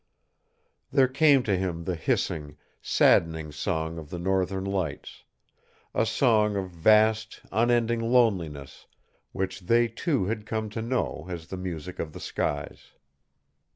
There came to him the hissing, saddening song of the northern lights a song of vast, unending loneliness, which they two had come to know as the music of the skies.